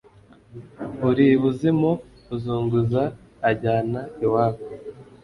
uri ibuzimu azunguza ajyana iwabo